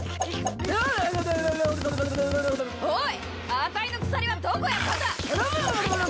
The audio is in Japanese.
あたいの鎖はどこやったんだ！